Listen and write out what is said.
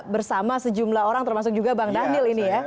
bersama sejumlah orang termasuk juga bang daniel ini ya